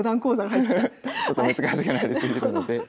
ちょっと難しくなり過ぎるので。